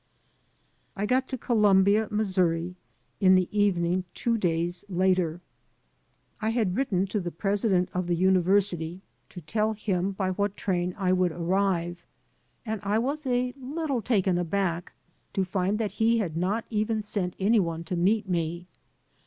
I got to Colmnbia, Missouri, in the evening two days later. I had written to the president of the university 200 IN THE MOLD to tell him by what tram I would arrive, and I was a little taken aback to find that he had not even sent any one to meet me.